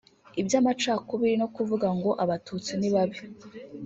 Iby’amacakubiri no kuvuga ngo Abatutsi ni babi